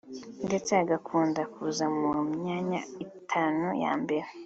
ndetse agakunda kuza mu myanya utanu ya mbere